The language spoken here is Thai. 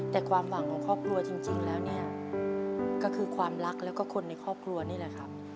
แต่ความหวังของครอบครัวจริงแล้วเนี่ยก็คือความรักแล้วก็คนในครอบครัวนี่แหละครับ